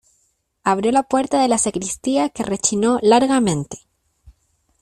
abrió la puerta de la sacristía, que rechinó largamente.